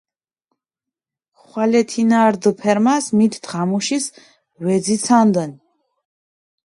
ხვალე თინა რდჷ ფერმას, მით დღამუშის ვეძიცანდუნ.